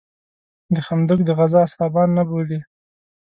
د خندق د غزا اصحابان نه بولې.